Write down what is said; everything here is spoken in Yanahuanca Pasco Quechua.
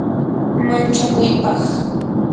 manchakuypaq